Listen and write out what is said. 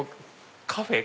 カフェ？